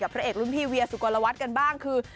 กับพระเอกรุ่นภีร์เวียสุกษ์กันบ้างคือ